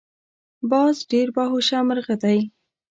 باز ډیر باهوشه مرغه دی